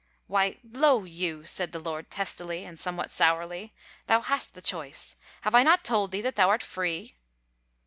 "Why, lo you!" said the Lord testily, and somewhat sourly; "thou hast the choice. Have I not told thee that thou art free?"